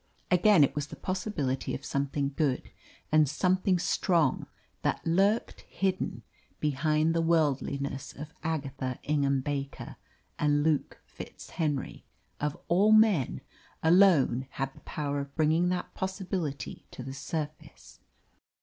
Again it was the possibility of something good and something strong that lurked hidden behind the worldliness of Agatha Ingham Baker, and Luke FitzHenry, of all men, alone had the power of bringing that possibility to the surface.